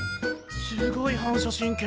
すごい反射神経。